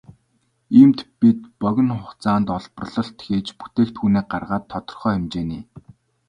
Иймд бид богино хугацаанд олборлолт хийж бүтээгдэхүүнээ гаргаад тодорхой хэмжээний хуримтлал үүсгэнэ.